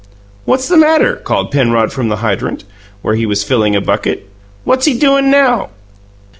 "What's the matter?" called Penrod from the hydrant, where he was filling a bucket. "What's he doin' now?"